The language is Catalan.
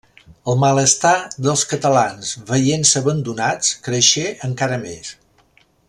El malestar dels catalans veient-se abandonats creixé encara més.